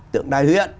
tượng đài huyện